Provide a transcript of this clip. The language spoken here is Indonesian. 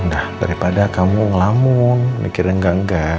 nah daripada kamu melamun mikirkan enggak enggak